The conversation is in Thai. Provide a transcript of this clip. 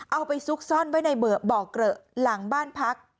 เอาไปซุกซ่อนไว้ในบ่อเกลอะหลังบ้านพัก